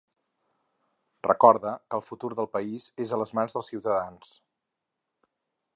Recorda que ‘el futur del país és a les mans dels ciutadans’.